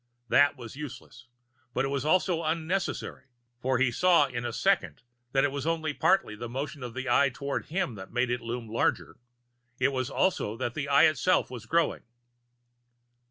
That was useless, but it was also unnecessary, for he saw in a second that it was only partly the motion of the Eye toward him that made it loom larger; it was also that the Eye itself was growing.